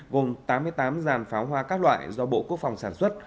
gồm tám mươi tám dàn pháo hoa các loại do bộ quốc phòng sản xuất